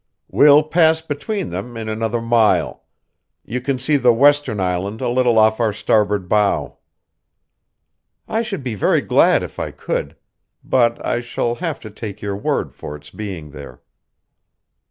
"We'll pass between them in another mile. You can see the western island a little off our starboard bow." "I should be very glad if I could; but I shall have to take your word for its being there."